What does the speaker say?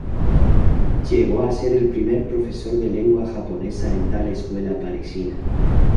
Llegó a ser el primer profesor de lengua japonesa en tal escuela parisina.